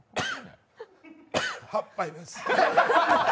８杯です。